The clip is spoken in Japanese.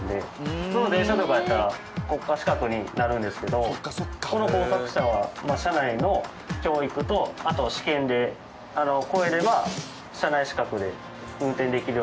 普通の電車とかやったら国家資格になるんですけどこの工作車は社内の教育とあと試験で越えれば社内資格で運転できるようになるんで。